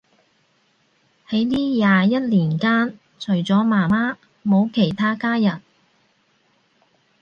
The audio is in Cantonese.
喺呢廿一年間，除咗媽媽冇其他家人